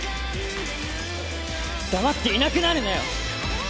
黙っていなくなるなよ！